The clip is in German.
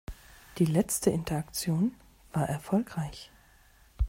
Die letzte Interaktion war erfolgreich.